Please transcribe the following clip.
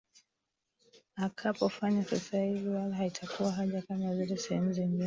akapo fanya sasa hivi wala haitakuwa haja kama vile sehemu zingine